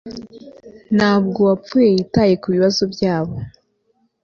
Ntabwo uwapfuye yitaye kubibazo byabo